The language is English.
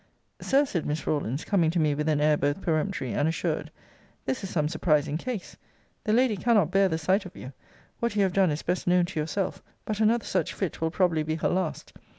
Sir, said Miss Rawlins, coming to me with an air both peremptory and assured, This is some surprising case. The lady cannot bear the sight of you. What you have done is best known to yourself. But another such fit will probably be her last.